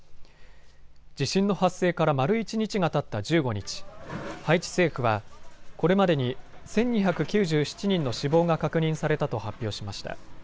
地震の発生から丸一日がたった１５日、ハイチ政府はこれまでに１２９７人の死亡が確認されたと発表しました。